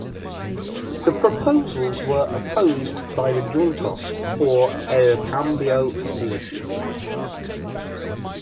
The proposals were opposed by the Juntos por el Cambio opposition.